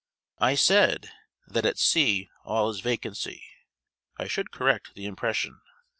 I said, that at sea all is vacancy; I should correct the impression.